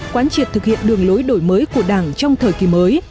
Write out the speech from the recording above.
quán triệt thực hiện đường lối đổi mới của đảng trong thời kỳ mới